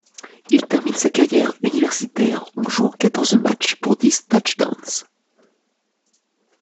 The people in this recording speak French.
Il termine sa carrière universitaire en jouant quatorze matchs pour dix touchdowns.